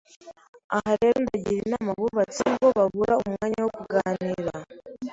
Aha rero ndagira inama abubatse ingo babura umwanya wo kuganira,